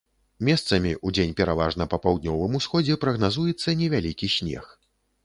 Месцамі, удзень пераважна па паўднёвым усходзе, прагназуецца невялікі снег.